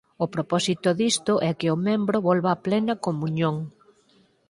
O propósito disto é que o membro volva á plena comuñón.